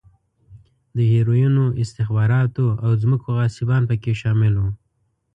د هیروینو، استخباراتو او ځمکو غاصبان په کې شامل و.